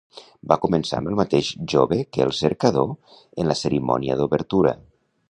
Va començar amb el mateix jove que el "Cercador" en la cerimònia d'obertura.